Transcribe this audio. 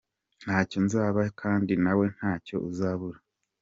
Ntacyo nzaba kdi nawe ntacyo Uzabura.